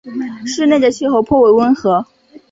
市内的气候颇为温和。